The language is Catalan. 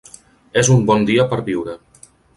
És un bon dia per viure.